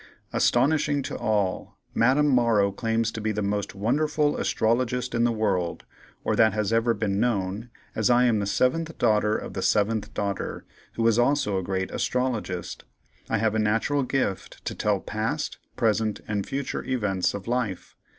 "ASTONISHING TO ALL.—Madame MORROW claims to be the most wonderful astrologist in the world, or that has ever been known, as I am the seventh daughter of the seventh daughter, who was also a great astrologist. I have a natural gift to tell past, present, and future events of life.